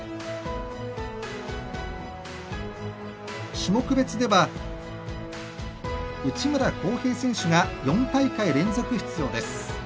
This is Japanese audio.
種目別では内村航平選手が４大会連続出場です。